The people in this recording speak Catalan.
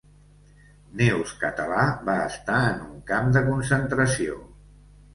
Neus Català va estar en un camp de concentració